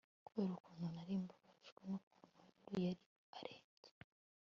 kubera ukuntu nari mbabajwe nukuntu Henry yari arembye